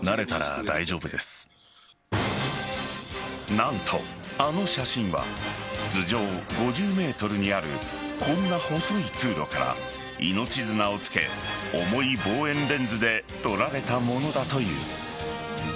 何と、あの写真は頭上５０ｍにあるこんな細い通路から、命綱をつけ重い望遠レンズで撮られたものだという。